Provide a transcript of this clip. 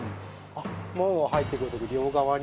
門を入ってくる時両側に。